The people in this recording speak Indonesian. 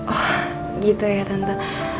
oh gitu ya tante